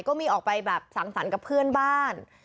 ก็มีออกไปแบบสังสรรค์กับเพื่อนบ้าน